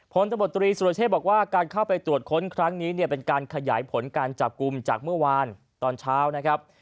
ตบตรีสุรเชษบอกว่าการเข้าไปตรวจค้นครั้งนี้เนี่ยเป็นการขยายผลการจับกลุ่มจากเมื่อวานตอนเช้านะครับ